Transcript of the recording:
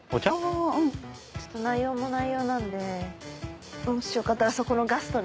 ちょっと内容も内容なんでもしよかったらそこのガストで。